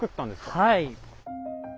はい。